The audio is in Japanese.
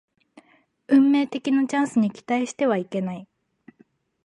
運命的なチャンスに期待してはいけない